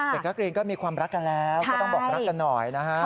เด็กนักเรียนก็มีความรักกันแล้วก็ต้องบอกรักกันหน่อยนะฮะ